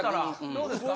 どうですか？